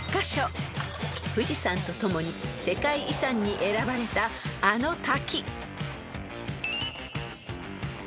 ［富士山とともに世界遺産に選ばれたあの滝］